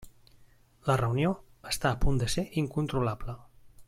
La reunió està a punt de ser incontrolable.